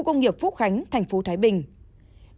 công ty trách nhiệm hữu hạn ponsivina